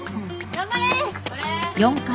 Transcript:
頑張れ！